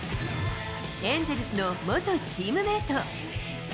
エンゼルスの元チームメート。